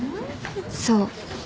そう